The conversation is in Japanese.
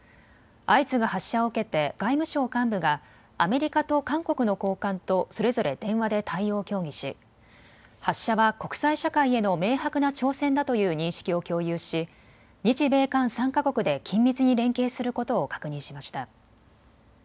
相次ぐ発射を受けて外務省幹部がアメリカと韓国の高官とそれぞれ電話で対応を協議し発射は国際社会への明白な挑戦だという認識を共有し日米韓３か国で緊密に連携することを確認しました。